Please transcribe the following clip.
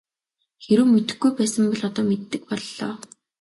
Хэрэв мэдэхгүй байсан бол одоо мэддэг боллоо.